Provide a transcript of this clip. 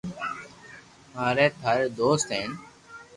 ھاري ٿارو دوست ھين